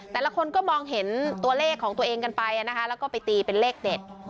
แต่ละคนก็มองเห็นตัวเลขของตัวเองกันไปนะคะแล้วก็ไปตีเป็นเลขเด็ด